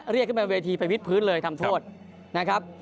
เรียกขึ้นไปบนเวทีไปวิดพื้นเลยทำโทษนะครับ